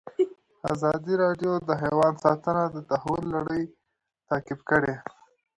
ازادي راډیو د حیوان ساتنه د تحول لړۍ تعقیب کړې.